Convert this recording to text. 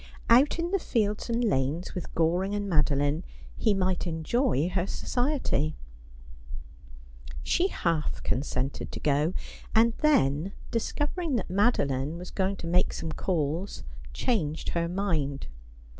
Out in the fields and lanes, with Goring and Madoline, he might enjoy her society. 196 Asphodel. She half consented to go, and then, discovering that Made line was going to make some calls, changed her mind.